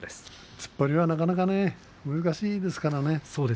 突っ張りはなかなか難しいからね。